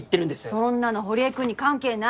そんなの堀江君に関係ない。